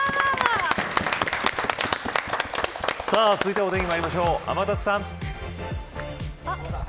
続いてはお天気まいりましょう天達さん。